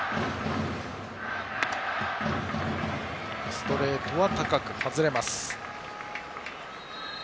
ストレートは高く外れました。